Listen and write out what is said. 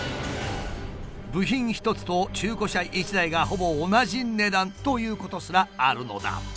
部品１つと中古車１台がほぼ同じ値段ということすらあるのだ。